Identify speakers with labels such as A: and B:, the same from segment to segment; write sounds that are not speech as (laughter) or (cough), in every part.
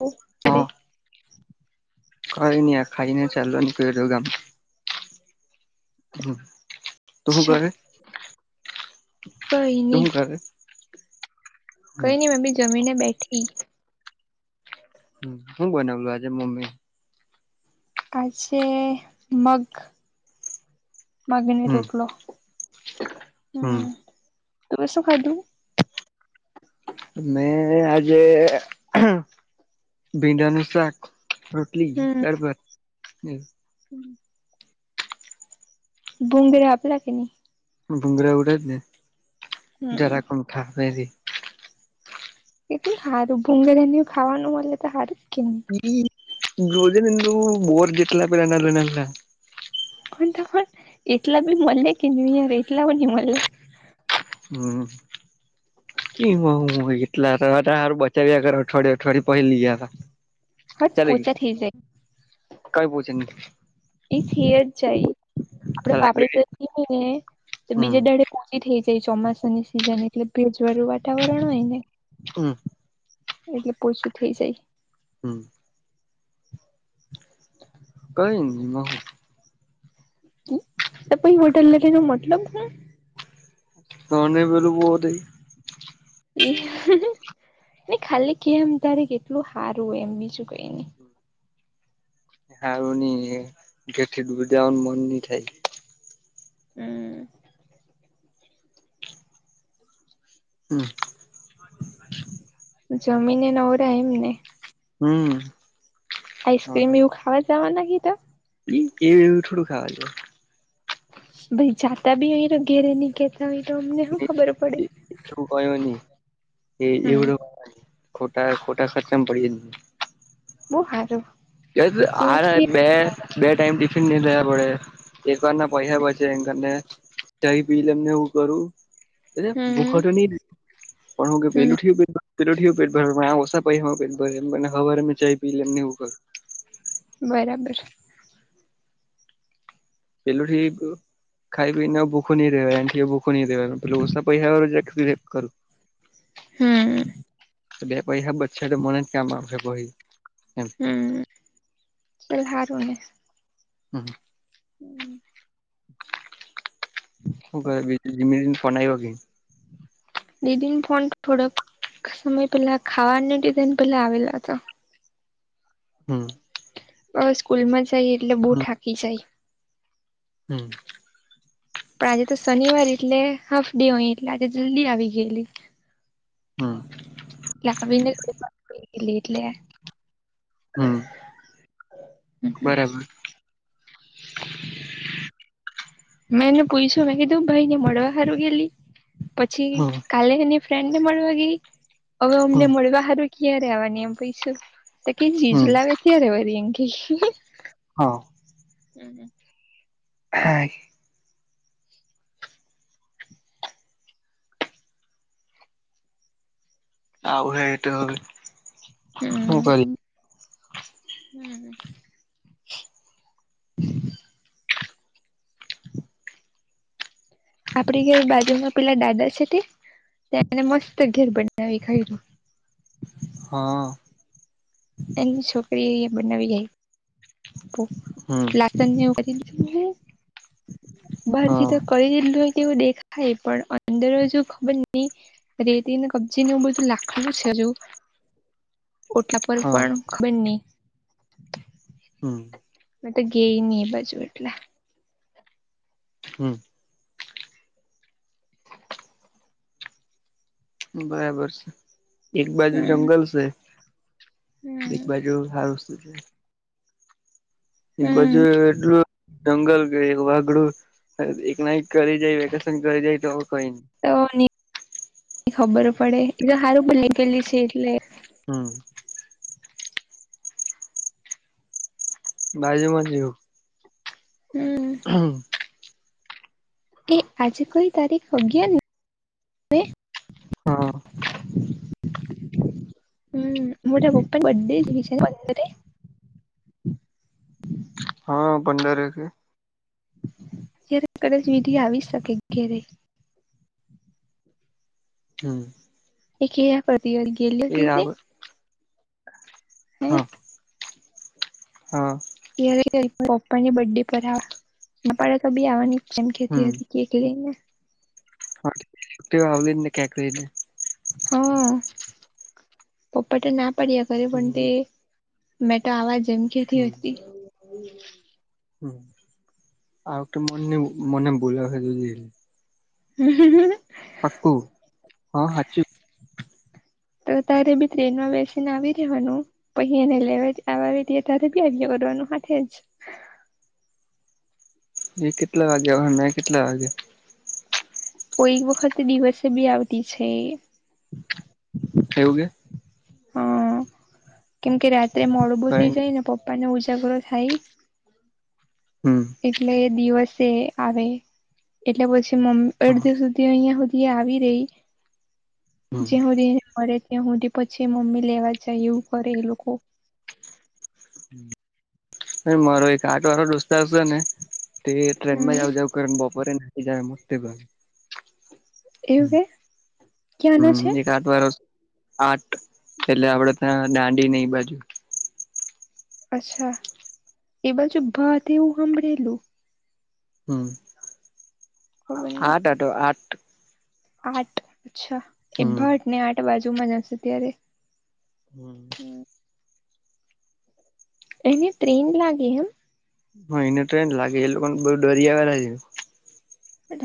A: અરે
B: હા કઈ નહી આ ખાઈને ચાલવાની કું ગામ. હમ તો શું
A: અચ્છા
B: કરે
A: કઈ
B: તું
A: ની
B: હું કરે
A: કઈ નઈ મમ્મી જમી ને બેઠી.
B: હ હું બનાવલું આજે મમ્મી
A: આજે મગ, મગની રૂટલો
B: હમ્મ
A: તમે શું ખાધું?
B: મે આજે ભીંડનું શાક ર ટલી દાળ ભાત
A: હમ્મ ભુંગરા આપલા કે નહી
B: ભુગરા ઉડે જ ને
A: હમ
B: જરા કમઠા છે
A: કેટલું હારું ભુંંગેધાની ખાવાનું મળે, તો સારું જ કે ન
B: એ જોજું બોર જેતલા પેલા ના લ ના ના
A: ત તો એટલા બી મલે કે ની યર એટલા બ મલે
B: હમ્મ એમ હું એટલારું (unintelligible) બચાવી્યા કર અઠવાડય અવાડય પહ લીયા
A: હટ પોચા
B: ચલેગી
A: થઈ જાય
B: કઈ પહોંચી ન
A: એ થીય જ જાય આપડે
B: ચાલ આગળ
A: પાપડે તોને તો
B: હમ
A: બીજા દાડે પી (inaudible) થઈ જાય ચોમાસાની સિઝન એટલે ભેજવાળું વાતાવરણ હોય ને
B: હમ્મ
A: એટલે પોછું થઇ જાય.
B: હમ્મ કઈ નહી એમાં હુ
A: ત કોઈ હોટલ લગાઈનો મતલબ હુ
B: તોને બલું બહોત
A: એ ને ખાલી કેમ તારે કેટલું સારું હોય એમ બીજું કઈ નહી
B: હારુંની ઘેર થી ડૂર જવાનું મન નની થાય
A: હમ્મ
B: હમ્મ
A: જમીને નવરા એમ ને
B: હમ્મ
A: આઈસ્ક્રીમ એવું ખાવાત જવાના કિ તો
B: એ એ એવું થોડું ખાવા જો
A: ભાઈ જાતા, ભી અય ઘેરે નની કે તો અમને શું ખબર પડે
B: એવું કયો નહી એ
A: હમ
B: એવું ખોટા ખોટા ખર્ચામાં પડી જહી
A: બું હારુ
B: (unintelligible) આય બે બે ટાઈમ ટિફિન નહી થયા પડે એક વાર ના પૈસા બચે એમ કરીને જહી પી લ એમને એવું કરું. એ
A: હમ
B: ભૂખા ટની રે પણ હું કે
A: હમ
B: પેલું ઠયુ પેટ પેલું પેટ ભર આ ઓછ પહમાં પેટ ભર ન હવારમે ચાય પી લ એનેવું કરુ
A: બરાબર
B: પેલુંથી એક ખાઈ પીને ભૂખું નહીં રહેવાય એ ભૂખું નહી રહેવા પેલું ઓસા પૈસા (inaudible) કરુ
A: હમ્મ
B: બે પૈસા બચશે તો મને જ કામ આવશે ભહી
A: હમ ચલ હારુંને
B: હ
A: હમ્મ
B: હું કહી જીમ પનાઈવ કે
A: દીદીન ફોન થોડોક સમય પેલા ખાવાની ડિઝાઇન પેલા આવેલા હતા.
B: હમ્મ
A: અ સ્કૂલમાં જાય એટલે બહુ થઠાકી જાય.
B: હમ્મ
A: પણ આજે તો શનિવાર એટલે હાફ ડે હોય એટલે આજે જલ્દી આવી ગયેલી
B: હમ્મ
A: એટલે આવીને એટલે
B: હમ બરાબર
A: મેં એને પૂછ્યું મેં કીધું ભાઈ ને મળવા હારું ગેલી પછી
B: હમ
A: કાલે એને ફ્રેન્ડ ને મળવા ગઈ હવે અમને
B: હમ
A: મળવા સારું ક્યા ર આવવાની એમ પૈસુ તો કે જીજ
B: હમ
A: લાવે ત્યારે વરી અ ક
B: હા
A: હમ્મ
B: હે આવ હેટું હ હું, કર
A: હમ્મ હમ્મ આપડી ઘેર બાજુમાં પેલા દાદા છે તને મસ્ત ઘેર બનાવી ખાય્યું.
B: હા
A: એની છોકરી એ બનાવી જાય.
B: હમ
A: લકણ ને એવું કરી દીું
B: હા
A: બહારથીધ ક દીું હોય. તેવઓ દેખાય એ પણ અંદર જો ખબર નહી. રેતીને કબજે ન બધું લાખડું છેજ, ઓટલા પર
B: હા
A: પણણ ખંર નહી.
B: હમ
A: મે તો ગે નની એ બાજુ એટલા
B: હમ્મ બરાબર છે, એક બાજુ
A: હમ
B: જંગલ છે,
A: હમ
B: એક બાજુ હાલ પસ્ત છેએ. બજ
A: હમ
B: એટલુ જંગલ ગ વાઘડું એક નાઇક કરી જાય વેકેશન કરી જાય તો કઈ
A: તો ખબરો પડે એ તો સારું ભ લ ગલી છે, એટલે
B: હમ્મ ભાઈજ મજવુ
A: હમ
B: હમ્મ
A: એ આજે કોઈ તારીખ અગયા ને
B: હા
A: હમ, મોટા પપ્પા બ ડે
B: હા, પંડરે કે
A: જ્યારે, કદાચ વિધિ આવી શકે ઘરે
B: હમ્મ
A: એ કેયા કરતી ગેલી, ત તે
B: આવ
A: હમ્મ
B: હા હા.
A: ત્યારે પપ્પા ની બર્ ડે પર બાળક બી આવવાની કેમ કેતી હતી, કે કે જઈને.
B: હા છ, આવ ને ક્યાંકઈને
A: હા પપ્પાટ ના પાડ્યા ખરે પણ તે.
B: હમ
A: મેં તો આવાજ જેમ કેતી હતી.
B: હમ એક તો મનને મને બશે જધ
A: હમ્મ
B: પાક હા હાચ.
A: તો તારે બી ટ્રેનમાં બેસીને આવી રવાનુ પછ, એને લેવા ર ત્યારે બ્યાજ કરવાનું હ જ
B: એ કેટલા વાગ્યા હ કેટલા વાગે
A: કો એક વખત દિવસે બી આવતી છે.
B: એવું કે (unintelligible)
A: હા કેમ કે રાત્રે મોડુ બું
B: કઈ
A: થઈ
B: નઈ
A: જાય ને પપ્પા ને ઉજાગરો થાય.
B: હમ.
A: એટલે દિવસે આવે એટલે પછી મમ્મી અડધિ વ સુધી. તે અહિયાં સુધી આવી રહી જે
B: હા
A: સુધી મળે. હું પછી મમ્મી લેવા જાય એવું કરે એ લોકો.
B: મારો એક આઠ વારો દોસ્તાર છે ને તે ટ્રેન માં
A: હમ
B: આવ જાવ કરને બપોરે જાવ મસ્તે ઘર
A: એવું
B: હમ
A: કે ક્યાંનો
B: હમ
A: છે
B: એક ત વરષ આઠ એટલે આપડે ત્યાં દાંડી નઈ બાજુ
A: અચ્છા એ બાજુ ભાતવું સાંભળેલું
B: હમ
A: ખબર
B: આઠ આઢો આઠ
A: આઠ અચ્છા એ
B: હમ
A: ભાટ ને આઠ બાજુમાં જશે ત્યારે‌.
B: હમ.
A: એને ટ્રેન લાગે એમ.
B: હા એને ટ્રેડ લાગે એ લોકોને બહુ ડરી આવેલા છે.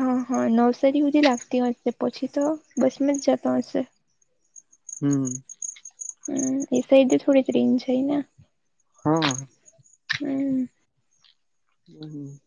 A: હા હા નવસારી સુધી લાગતી હશે પછી તો બસમાં જ જતો હશે.
B: હમ.
A: હમ એ સાઈડથી થોડી જ રિન છે ને
B: હા.
A: હમ.
B: હમ.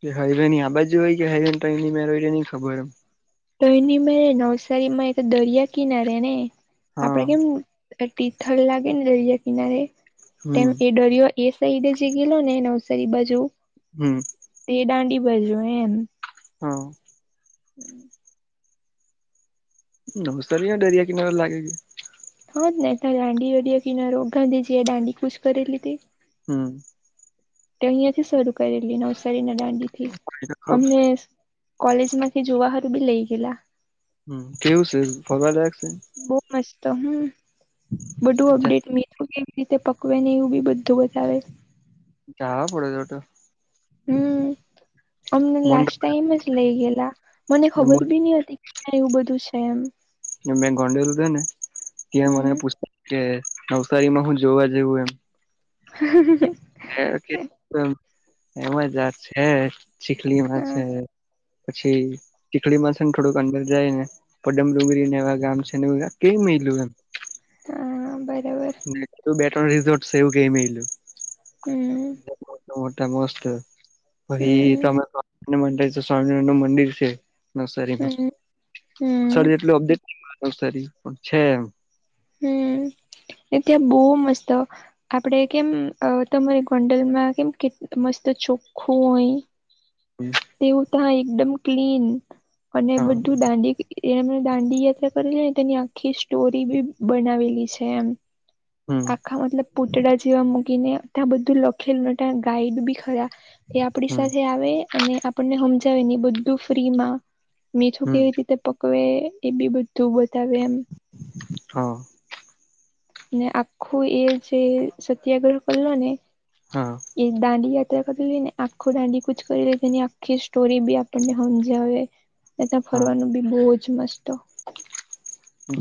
B: કે હાઈવેનની આ બાજુ અયજો હોય કે હાઈબન તો એની મે નઈ ખબર એમ.
A: તો એની મે નવસારીમાં એક દરિયા કિનારે ને
B: હા
A: આપડે કેમ. તીથલ લાગે ને દરિયા કિનારે તેમ
B: હમ
A: એ દરિયો્. એ સઈડ જ ગેલો ને નવસરી બાજુ.
B: હમ.
A: તે દાંડી બાજુ એમ
B: હા.
A: હમ.
B: (unintelligible) નમસ્કાર ભ હ ડરિયા કિનારા લાગે છે કે
A: હ જ હતા દાંડી વળિયા કિનારો ગાંધીજી એ દાંડી કુશ કરેલીધી
B: હમ.
A: તે અહિયાંથી શરૂ કરેલી નવસારીના દાંડી થી અમને કોલેજ માથી જુવા હારુ બી લઈ ગેલા.
B: હમ કેવું છે ફરવાલાયક રાશે.
A: બહુ મસ્ત હમ બધું
B: છે
A: અપડેટ મે થું કે રીતે પકવે નને એવું બી બધું બતાવે.
B: જાવા પડે છેટ.
A: હમ અમને લાસ્ટ
B: મન
A: ટાઈમ જ લઇ ગયેલા મને ખબર બી નીહતી. એવું બધું છે એમ.
B: મેં ગોંડેલું છે ને ત્યાં મને
A: હમ
B: પૂછતા કે નવસારીમાં હું જોવા જેવું એમ
A: હ.
B: (unintelligible) એમાંત છે ચીખલીમાં
A: હા
B: છે. પછી ચીખડી માં છે ને થોડુંક અંદર જાય ને. પડમ ડુંગરીને એવા ગામ છે કઈ લ્યું એમ.
A: હા બરાબર.
B: એટુ બે (unintelligible) સેવ કરી મ.
A: હમ
B: મસ્ત પછ
A: હમ
B: તમે સ્વામ મતા સ્વામિનારાયણ નું મંદિર છે. નવસરીમાં
A: હમ હમ
B: નસરી જેટલું અપડેટ નસરી પણ છે એમ. (inaudible)
A: એટ્યા બહુ મસ્ત. આપણે કેમ અ તમારી ગોંડલમાં કેમ કે મસ્ત ચોખ્ખું હોય.
B: હમ.
A: તેવું થાય એકદમ ક્લીન અને
B: હા
A: બધું દાંડી એ એમણે દાંડી યાત્રા કરેલી ને તેની આખી સ્ટોરી બી બનાવેલી છે એમ
B: હમ
A: આખા મતલબ પૂતળા જેવા મૂકીને ત્યાં બધું લખેલ ત્યાં ગાઈડ બી ખરા એ આપડી
B: હમ
A: સાથે આવે અને આપણને હમજાવે ને બધું ફ્રીમાં. મીઠું
B: હમ
A: કેવી રીતે પકવે એ બી બધું બતાવે એમ.
B: હા.
A: આખું એ જે સત્યાગ્રહ કરલો ને
B: હા
A: એ દાંડિયા. ક જો ને આખું દાંડી કુચ કરી લે તેની આખી સ્ટોરી બી આપણને સમજવે. એ તા ફરવાનું
B: હા
A: બી બહુ જ મસ્ત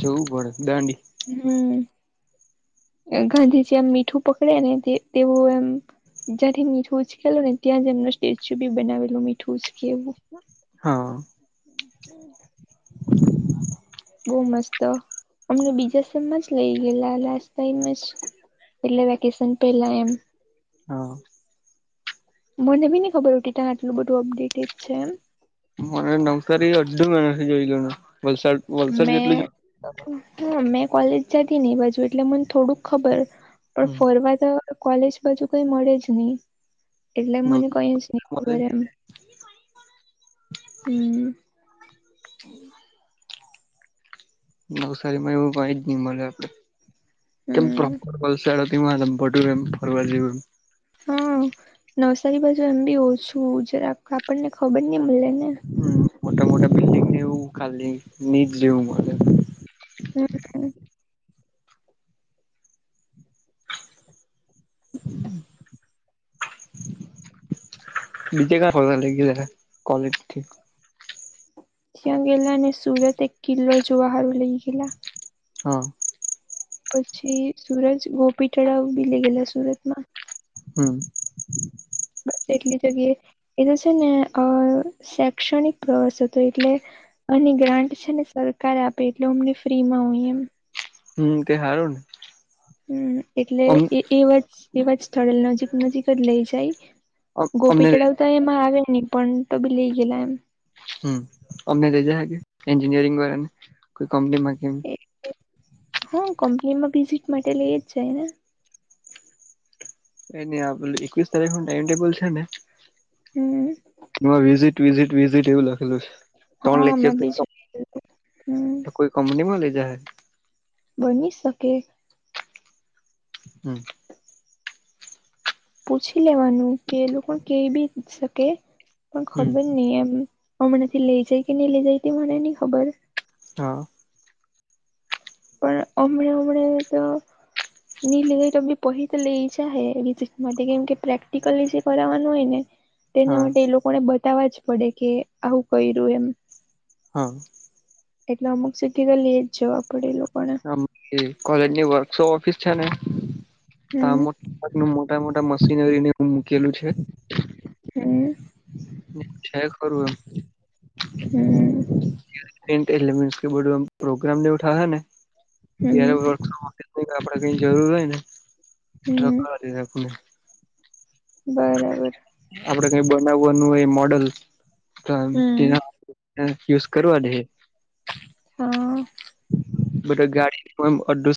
B: જવું પડે દાંડી.
A: હમ ગાંધીજી આમ મીઠું પકડે ને તેવું એમ. જથી મીઠું ઉચકેલ ને ત્યાં જ એમનો સ્ટેચ્યુ બી બનાવેલું મીઠું ઉચકેવું.
B: હા.
A: હમ. બહુ મસ્ત અમને બીજા સેમમાં જ લઇ ગયેલા લાસ્ટ ટાઈમજ. એટલે વેકેેશન પહેલા એમ.
B: હા.
A: મને બી નહી ખબર ઉ ત્યા આટલું બધું અપડેટેજ છે એમ.
B: મને નવસારી અડધું મહિનાથી જોય લું.
A: મેં. હા મેં કોલેજ જતી ને બાજુ એટલે મને થોડુંક ખબર પણ ફરવા ત કોલેજ બાજુ કઈ મળે જ નહી. એટલે મને કોઈ જ નહી ખબર એમ હમ.
B: હ. નવસારી માં એવું કઈ જ નહી મળે આપડે. કેમ ફર
A: હમ
B: વલસાડ દી મસ (unintelligible) આડ તું ફરવા જેડ
A: હા નવસારી બાજુ એમ બી ઓછું જરા આપણને ખબર નહી મળે ને.
B: હા્ કાલી નિટ જેવું મલવ મળ.
A: હમ.
B: બિજે કા ફરવા લ ઈ ગયા તા કોલેજથી.
A: ત્યાં ગેલા અને સુરત એક કિલ્લો જોવાહારું લઈ ગેલા.
B: હા.
A: પછી સુરત ગોપી તળાવ બી લઈ ગેલા સુરતમાં.
B: હમ.
A: બસ એટલી જગ્યાએ એ તો છે ને અ શૈક્ષણિક પ્રવાસ હતો એટલે. અને ગ્રાન્ટ છે ને સરકાર આપે એટલે અમને ફ્રી માં હોય એમ.
B: હમ તે હારું ને
A: હમ એટલે
B: અમ
A: એ એવા જ એવા જ સ્થળે નજીક નજીક જ લઇ જાય.
B: અમ અમને
A: ગોપી ચડાવતા એમાં આવે નહી પણ તો બી લઇ ગેલા એમ.
B: હમ અમે લઈજ એન્જિનિયરિંગ વાળા ને કોઈ કંપની માં કેમ
A: હા કંપની માં વિઝિટ માટે લઈ જ જાય ને.
B: એ એકવીસ તારીખ નું ટાઈમટેબલ છે ને
A: હમ
B: વિઝીટ વિઝિટ. વિઝીટ એવું લખેલું છે, ત્રણ
A: હા
B: લેક્ચર
A: મેં
B: (unintelligible)
A: બીજું હમ
B: તો કોઈ કંપનીમાં લેજા હે.
A: બની શકે.
B: હમ.
A: પૂછી લેવાનું કે એ લોકો કે બી શકે પણ
B: હમ
A: ખબર નહી એમ. હમણાંથી લઇ જાય કે નહી લઇ જાય તે મને નઈ ખબર.
B: હા.
A: પણ હમણે હમડે તો. ની લીધટ બી પહી તો લે ઈછા હ એ માટે કેમ કે પ્રેક્ટિકલી જે કરનું હોય ને. તેના
B: હા
A: માટે એ લોકોને બતાવવા જ પડે કે આવું કર્યું એમ.
B: હા.
A: એટલે અમુક સિધી તો લે જવા પડે લોકો.
B: હ કોલેજની વર્કશોપ ઓફિસ છે ને. ત
A: હમ
B: મો ન મોટા મોટા મશીનને મૂકેલું છે.
A: હમ.
B: ન છે ખરું એમ.
A: હમ.
B: ટે એલે મિસ્ બધુ પ્રોગ્રામ એવા થ હ ને ત્યારે
A: હમ
B: વો પ આપડે કઈ જરૂર હોય ને રખવા
A: હમ
B: રાખને
A: બરાબર.
B: આપડે કઈ બનાવવાનું એ મોડલ. તો
A: હમ
B: તેના (unintelligible) યુઝ કરવા દે.
A: હા
B: બધા ગાડી (unintelligible)